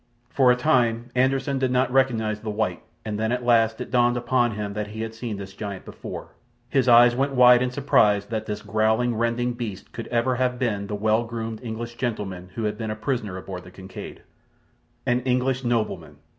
For a time Anderssen did not recognize the white, and when at last it dawned upon him that he had seen this giant before, his eyes went wide in surprise that this growling, rending beast could ever have been the well groomed English gentleman who had been a prisoner aboard the Kincaid. An English nobleman!